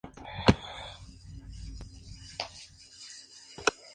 El director ejecutivo de la aerolíneas es Fernando Naranjo.